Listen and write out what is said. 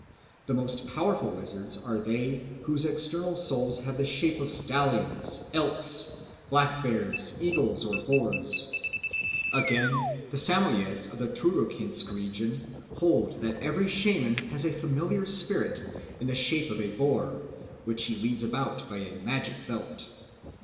The most powerful wizards are they whose external souls have the shape of stallions, elks, black bears, eagles, or boars. Again, the Samoyeds of the Turukhinsk region hold that every shaman has a familiar spirit in the shape of a boar, which he leads about by a magic belt.